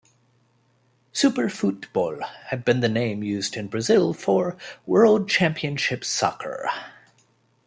"Super Futebol" had been the name used in Brazil for "World Championship Soccer".